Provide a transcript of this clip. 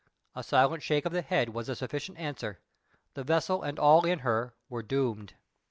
A silent shake of the head was a sufficient answer. The vessel and all in her were doomed.